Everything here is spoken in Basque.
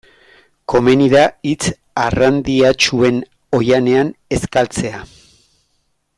Komeni da hitz arrandiatsuen oihanean ez galtzea.